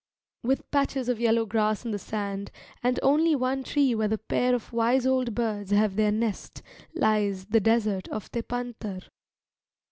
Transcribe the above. With patches of yellow grass in the sand and only one tree where the pair of wise old birds have their nest, lies the desert of Tepântar.